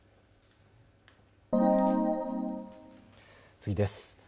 次です。